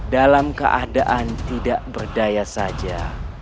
dalam keadaan tidak berdaya saja